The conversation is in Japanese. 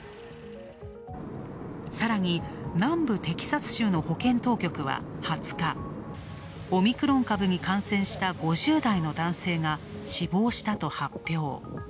さらに南部テキサス州の保健当局は２０日、オミクロン株に感染した５０代の男性が死亡したと発表。